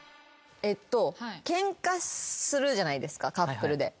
えっとケンカするじゃないですかカップルで。